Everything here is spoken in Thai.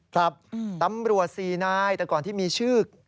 ครับตำรวจ๔นายแต่ก่อนที่มีชื่อ